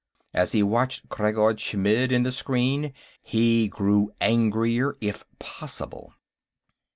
As he watched Khreggor Chmidd in the screen, he grew angrier, if possible.